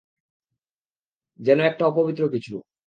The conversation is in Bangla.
যেন এটা অপবিত্র কিছু।